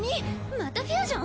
またフュージョン？